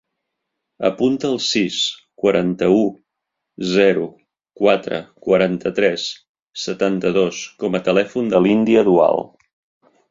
Apunta el sis, quaranta-u, zero, quatre, quaranta-tres, setanta-dos com a telèfon de l'Índia Dual.